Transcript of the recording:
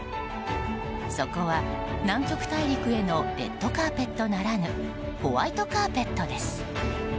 そこは、南極大陸へのレッドカーペットならぬホワイトカーペットです。